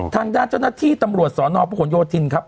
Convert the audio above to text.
ทางด้านเจ้าหน้าที่ตำรวจสนพลโยธินครับ